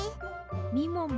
みもも